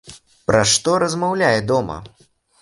Пра што размаўляе дома.